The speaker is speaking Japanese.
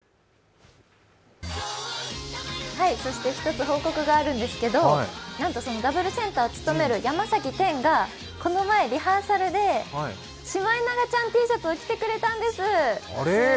櫻坂初となるダブルセンターを務めるのはそして１つ報告があるんですけどなんとそのダブルセンターを務める山崎天がこの前、リハーサルでシマエナガちゃんＴシャツを着てくれたんです。